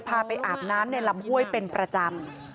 พาไปอาบน้ำในลำห้วยเป็นประจำ